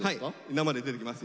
生で出てきます。